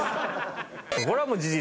これはもう事実。